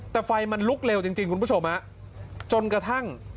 แต่ไฟมันลุกเร็วจริงคุณผู้ชมฮะจนกระทั่ง